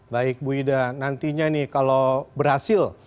baik bu ida nantinya nih kalau berhasil